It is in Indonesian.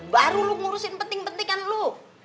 baru lu ngurusin penting pentingan lu